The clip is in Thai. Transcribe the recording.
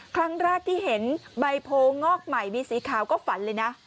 ครั้งแรกที่เห็นใบโพงอกใหม่มีสีขาวก็ฝันเลยนะ